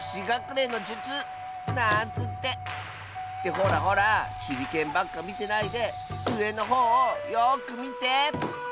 ほらほらしゅりけんばっかみてないでうえのほうをよくみて！